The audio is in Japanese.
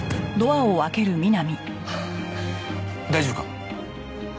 大丈夫か？